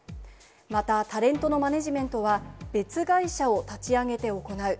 また、タレントのマネジメントは別会社を立ち上げて行う。